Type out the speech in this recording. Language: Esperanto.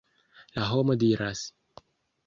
La homo diras.